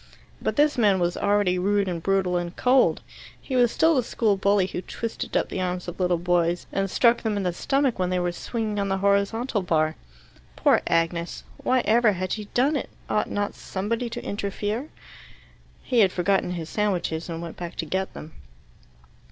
But this man was already rude and brutal and cold: he was still the school bully who twisted up the arms of little boys, and ran pins into them at chapel, and struck them in the stomach when they were swinging on the horizontal bar. Poor Agnes; why ever had she done it? Ought not somebody to interfere? He had forgotten his sandwiches, and went back to get them.